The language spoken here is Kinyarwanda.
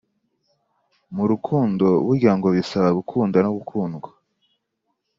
murukundo burya ngo bisaba gukunda no gukundwa